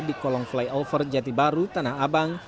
di kolong flyover jati baru tanah abang